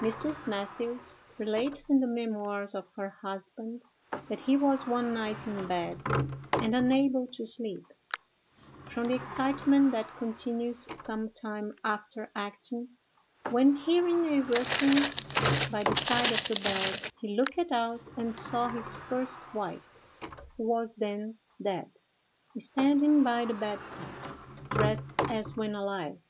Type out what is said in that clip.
Mrs. Mathews relates in the memoirs of her husband, that he was one night in bed and unable to sleep, from the excitement that continues some time after acting, when, hearing a rustling by the side of the bed, he looked out, and saw his first wife, who was then dead, standing by the bedside, dressed as when alive.